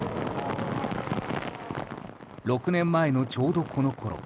６年前のちょうどこのころ。